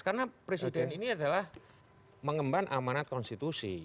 karena presiden ini adalah mengemban amanat konstitusi